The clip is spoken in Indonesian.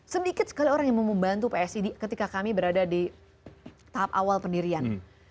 sedikit sekali orang yang mau membantu psi ketika kami berada di tahap awal pendirian